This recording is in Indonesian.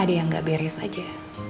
ada yang gak beres saja